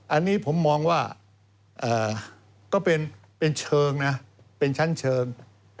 อันนี้ผมมองว่าก็เป็นชั้นเชิง